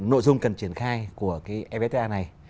nội dung cần triển khai của evfta này